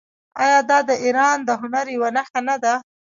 آیا دا د ایران د هنر یوه نښه نه ده؟